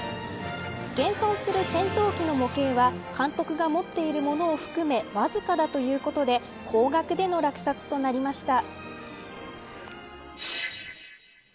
現存する戦闘機の模型は監督が持っているものを含めわずかだということで高額での落札となりました。